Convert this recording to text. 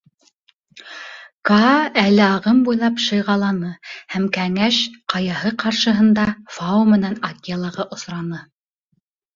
Каа әле ағым буйлап шыйғаланы һәм Кәңәш Ҡаяһы ҡаршыһында Фао менән Акелаға осраны.